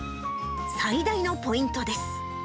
最大のポイントです。